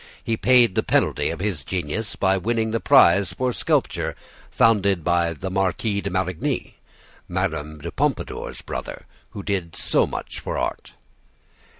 He paid the penalty of his genius by winning the prize for sculpture founded by the Marquis de Marigny, Madame de Pompadour's brother, who did so much for art.